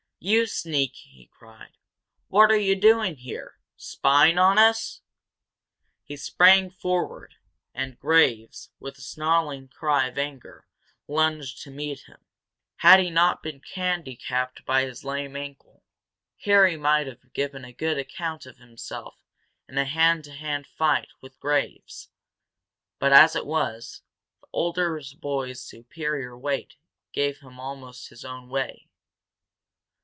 "You sneak!" he cried. "What are you doing here spying on us?" He sprang forward, and Graves, with a snarling cry of anger, lunged to meet him. Had he not been handicapped by his lame ankle, Harry might have given a good account of himself in a hand to hand fight with Graves, but, as it was, the older boy's superior weight gave him almost his own way.